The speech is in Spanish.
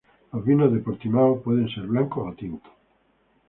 Los vinos de Portimão pueden ser blancos o tintos.